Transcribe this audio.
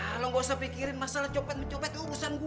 ah lo gak usah pikirin masalah copet mencopet urusan gue